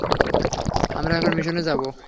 আমরা এখন মিশনে যাবো।